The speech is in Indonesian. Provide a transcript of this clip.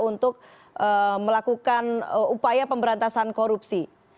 untuk melakukan upaya pemberantasan korupsi